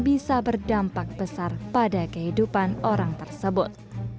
bisa berdampak besar pada kehidupan orang tersebut